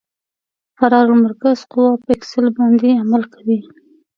فرار المرکز قوه په اکسل باندې عمل کوي